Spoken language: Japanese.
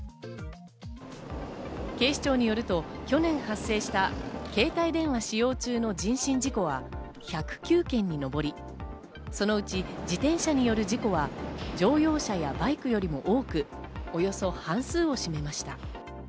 警視庁によると、去年発生した携帯電話使用中の人身事故は１０９件に上り、そのうち自転車による事故は乗用車やバイクよりも多く、およそ半数を占めました。